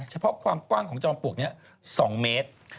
เฉพาะความกว้างของจอมปลวกนี้๒เมตร